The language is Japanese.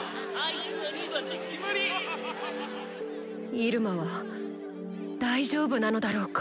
イルマは大丈夫なのだろうか？